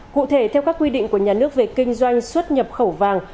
cụ thể theo các quy định của nhà nước về kinh doanh xuất nhập khẩu vàng